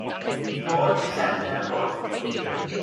Rho'r teisenni ar y bwrdd.